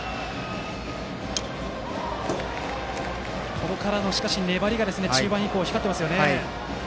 ここからの粘りがしかし中盤以降に光ってますね。